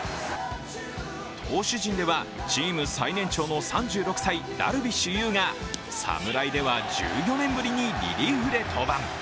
投手陣では、チーム最年長の３６歳、ダルビッシュ有が侍では１４年ぶりにリリーフで登板。